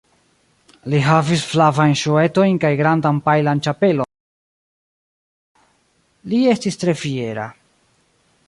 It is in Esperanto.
Li havis flavajn ŝuetojn kaj grandan pajlan ĉapelon, pri kiu li estis tre fiera.